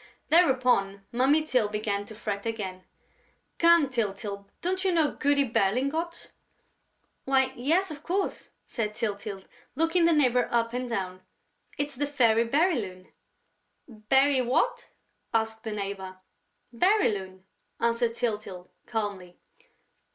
Thereupon Mummy Tyl began to fret again: "Come, Tyltyl, don't you know Goody Berlingot?" "Why, yes, of course," said Tyltyl, looking the neighbor up and down. "It's the Fairy Bérylune." "Béry ... what?" asked the neighbor. "Bérylune," answered Tyltyl, calmly.